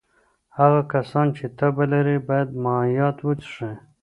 هغه کسان چې تبه لري باید مایعات وڅښي.